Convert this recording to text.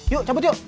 yuk cabut yuk